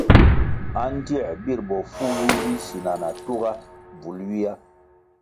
Andtier bir bofu vi zi sina na tugá bvul ywia.